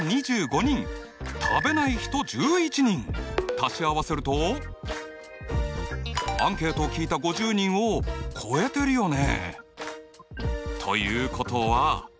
足し合わせるとアンケートを聞いた５０人を超えてるよね。